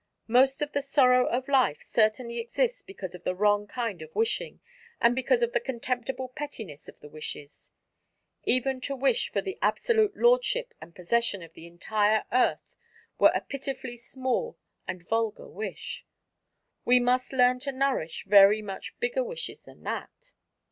Most of the sorrow of life certainly exists because of the wrong kind of wishing and because of the contemptible pettiness of the wishes. Even to wish for the absolute lordship and possession of the entire earth were a pitifully small and vulgar wish. We must learn to nourish very much bigger wishes than that!